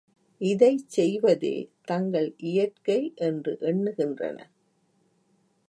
இதைச் செய்வதே தங்கள் இயற்கை என்று எண்ணுகின்றன.